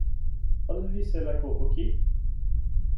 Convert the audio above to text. अल्ली सेलाको हो कि?